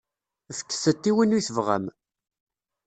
Fket-t i win i tebɣam.